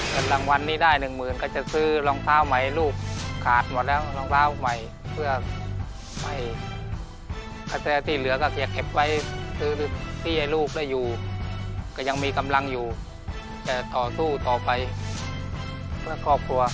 โปรดติดตามตอนต่อชีวิต